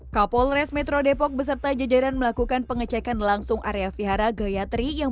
kapolres metro depok beserta jajaran melakukan pengecekan langsung area vihara gayatri yang